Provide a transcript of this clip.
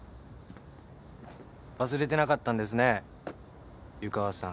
忘れてなかったんですね湯川さん。